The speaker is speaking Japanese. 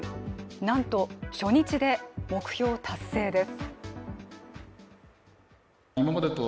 なんと初日で目標達成です。